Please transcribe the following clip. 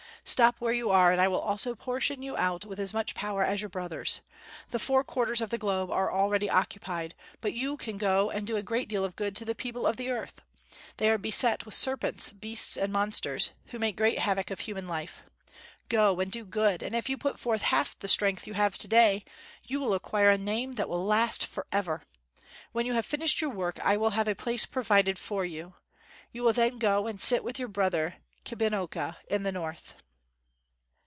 Stop where you are, and I will also portion you out with as much power as your brothers. The four quarters of the globe are already occupied, but you can go and do a great deal of good to the people of the earth. They are beset with serpents, beasts and monsters, who make great havoc of human life. Go and do good, and if you put forth half the strength you have to day, you will acquire a name that will last forever. When you have finished your work I will have a place provided for you. You will then go and sit with your brother, Kabinocca, in the North."